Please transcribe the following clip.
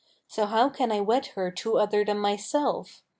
So how can I wed her to other than myself?